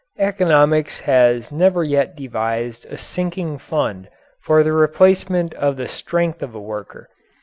Economics has never yet devised a sinking fund for the replacement of the strength of a worker.